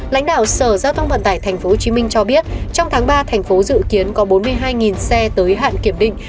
lãnh đạo sở giao thông vận tải tp hcm cho biết trong tháng ba thành phố dự kiến có bốn mươi hai xe tới hạn kiểm định